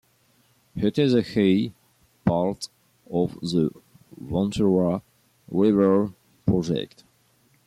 It is a key part of the Ventura River Project.